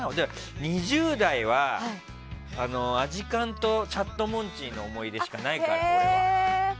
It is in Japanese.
２０代はアジカンとチャットモンチーの思い出しかないから俺は。